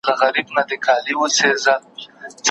درته ایښي د څپلیو دي رنګونه